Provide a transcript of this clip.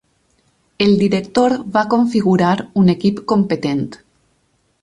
El director va configurar un equip competent.